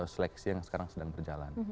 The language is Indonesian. seleksi yang sekarang sedang berjalan